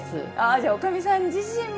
じゃぁ女将さん自身も。